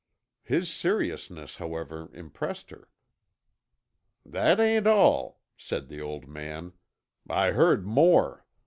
His seriousness, however, impressed her. "That ain't all," said the old man. "I heard more.